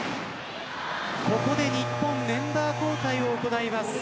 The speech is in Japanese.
ここで日本メンバー交代を行います。